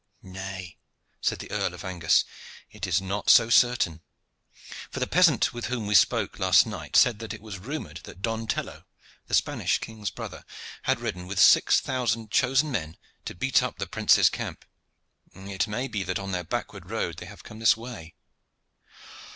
"Nay," said the Earl of Angus, "it is not so certain; for the peasant with whom we spoke last night said that it was rumored that Don Tello, the Spanish king's brother, had ridden with six thousand chosen men to beat up the prince's camp. It may be that on their backward road they have come this way."